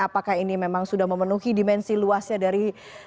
apakah ini memang sudah memenuhi dimensi luasnya dari